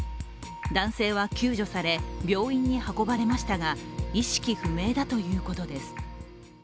男性は救助され、病院に運ばれましたが意識不明だということです。